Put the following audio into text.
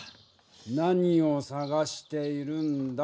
何を探しているんだ？